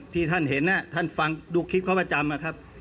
ที่ท่านเห็นท่านฟังดูคลิปเขาประจำนะครับ